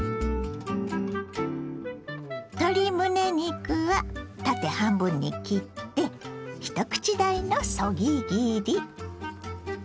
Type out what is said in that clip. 鶏むね肉は縦半分に切って一口大のそぎ切り。